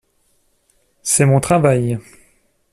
C'est mon travail.